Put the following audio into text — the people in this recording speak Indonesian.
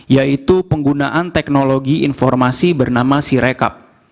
yaitu penggunaan teknologi informasi bernama sirekap